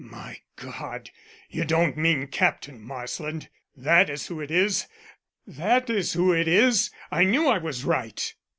"My God, you don't mean Captain Marsland? That is who it is; that is who it is! I knew I was right."